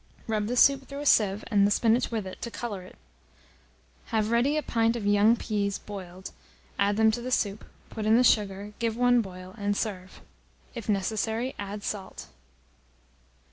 Rub the soup through a sieve, and the spinach with it, to colour it. Have ready a pint of young peas boiled; add them to the soup, put in the sugar, give one boil, and serve. If necessary, add salt.